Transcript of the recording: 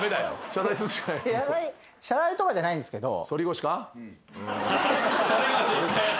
謝罪とかじゃないんですけど。